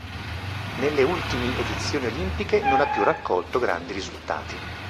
Nelle ultimi edizioni olimpiche non ha più raccolto grandi risultati.